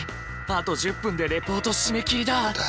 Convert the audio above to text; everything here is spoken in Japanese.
あと１０分でレポート締め切りだ！